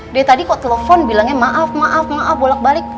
dia tadi kok telepon bilangnya maaf maaf maaf bolak balik